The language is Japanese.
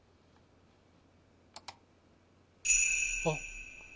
あっ！